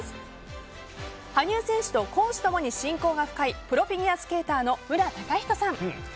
羽生選手と公私共に親交が深いプロフィギュアスケーターの無良崇人さん